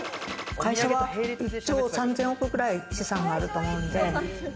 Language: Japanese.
会社は１兆３０００億くらい資産があると思うんで。